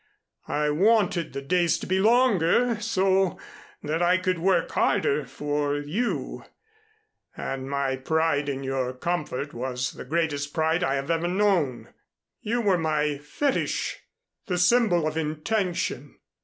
I wanted the days to be longer so that I could work harder for you, and my pride in your comfort was the greatest pride I have ever known. You were my fetich the symbol of Intention.